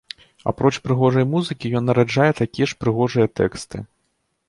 Апроч прыгожай музыкі, ён нараджае такія ж прыгожыя тэксты.